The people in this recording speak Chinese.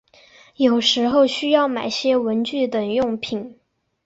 有时候需要买些文具等用品